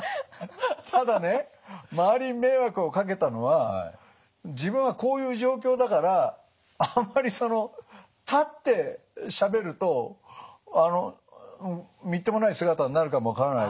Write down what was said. ただね周りに迷惑をかけたのは自分はこういう状況だからあんまりその立ってしゃべるとみっともない姿になるかも分からないと。